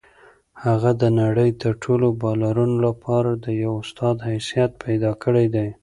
هغه د نړۍ د ټولو بالرانو لپاره د یو استاد حیثیت پیدا کړی دی.